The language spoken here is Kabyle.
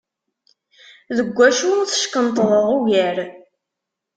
Deg wacu teckenṭḍeḍ ugar?